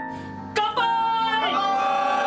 乾杯！